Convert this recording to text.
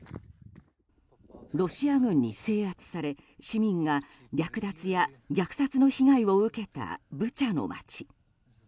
ロシア軍に制圧され市民が略奪や虐殺の被害を受けたブチャの街。